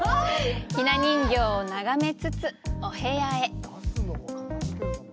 ひな人形を眺めつつ、お部屋へ。